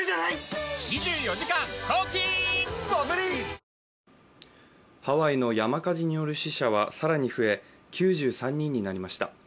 最高の渇きにＤＲＹハワイの山火事による死者は更に増え９３人になりました。